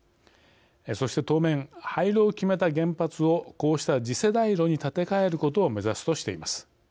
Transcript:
そして当面、廃炉を決めた原発をこうした次世代炉に建て替えることを目指すとしています。